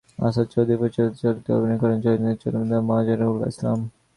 আসাদ চৌধুরী পরিচালিত চলচ্চিত্রটিতে অভিনয় করেন জয়ন্ত চট্টোপাধ্যায় এবং মাজহার-উল-ইসলাম।